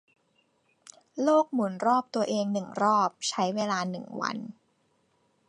โลกหมุนรอบตัวเองหนึ่งรอบใช้เวลาหนึ่งวัน